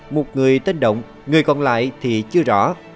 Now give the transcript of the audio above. một người tên động người còn lại thì chưa rõ